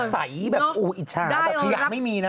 ใสแบบอู๋อิจฉาแบบขยะไม่มีนะ